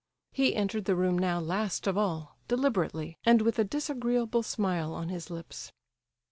He entered the room now last of all, deliberately, and with a disagreeable smile on his lips.